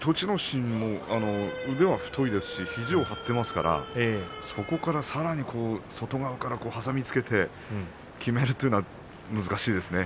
心も腕が太いですし肘も張ってますから、そこからさらに外側から挟みつけてきめるというのは難しいですね。